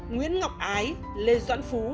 nguyễn ngọc ái lê doãn phú